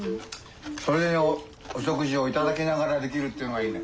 それをお食事を頂きながらできるっていうのがいいね。